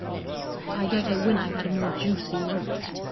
" I don't know when iVe had a more juicy moment.